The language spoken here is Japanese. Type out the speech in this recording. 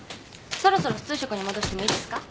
そろそろ普通食に戻してもいいですか？